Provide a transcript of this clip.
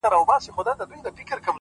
• چي لمن د شپې خورېږي ورځ تېرېږي،